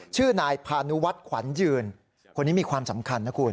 ชื่อนายพานุวัฒน์ขวัญยืนคนนี้มีความสำคัญนะคุณ